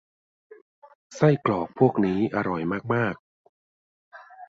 ไส้กรอกพวกนี้อร่อยมาก ๆ